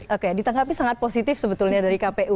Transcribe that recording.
oke ditanggapi sangat positif sebetulnya dari kpu